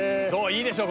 いいでしょ？